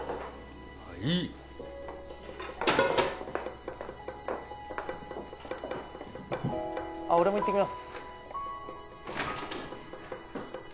はい俺も行ってきます